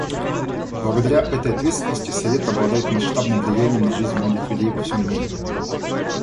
Благодаря этой ответственности Совет обладает масштабным влиянием на жизнь многих людей во всем мире.